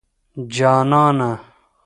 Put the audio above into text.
جانانه